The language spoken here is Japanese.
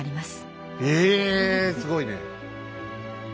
すごいね。